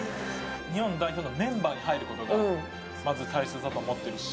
日本代表のメンバーに入ることがまず大切だと思ってるし、